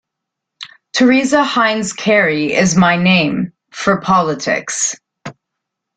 Teresa Heinz Kerry is my name... for politics.